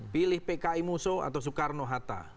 pilih pki musuh atau soekarno hatta